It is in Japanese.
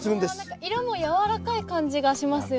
色もやわらかい感じがしますよね。